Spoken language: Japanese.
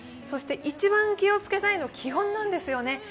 そして、一番気をつけたいのが気温なんですね。